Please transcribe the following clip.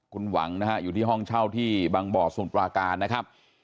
คุณหวังนะฮะอยู่ที่ห้องเช่าที่บางบ่อสมุทรปราการนะครับ